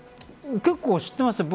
結構知ってますよ。